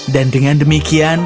dan dengan demikian